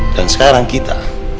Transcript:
dan sekarang kita